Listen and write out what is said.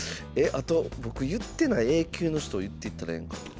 あと僕言ってないＡ級の人言ってったらええんかな。